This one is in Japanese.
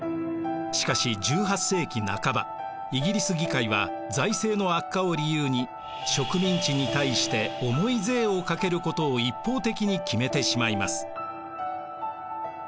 しかし１８世紀半ばイギリス議会は財政の悪化を理由に植民地に対して重い税をかけることを一方的に決めてしまいます。